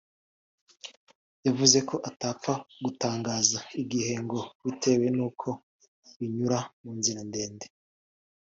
yavuze ko atapfa gutangaza igihe ngo bitewe n’uko binyura mu nzira ndende